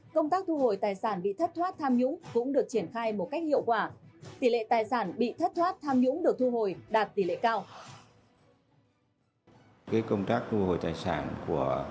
công tác thu hồi tài sản bị thất thoát tham nhũng cũng được triển khai một cách hiệu quả